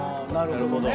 なるほどね。